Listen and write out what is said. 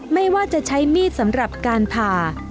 ไม่ว่าจะใช้มีดสำหรับการผ่า